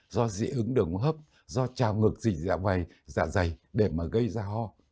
do dị ứng đường hấp do trào ngược dị dạ dày để mà gây ra ho